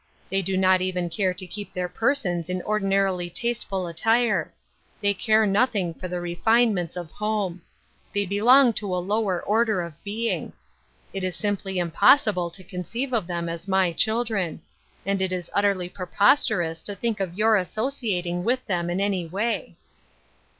They do not even care to keep their persons in ordinarily tasteful attire. They care nothing for the refinements of home. They belong to a lower order of being. It is simply impossible to conceive of them as my children; and it is utterly preposterous to think of your associating with them in any way."